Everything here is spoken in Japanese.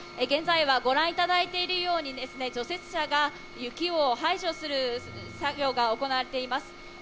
現在はご覧いただいているように除雪車が雪を排除する作業が行われています。